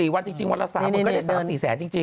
๑๔วันจริงวันละ๓วันก็ได้๓๔๐๐๐บาทจริง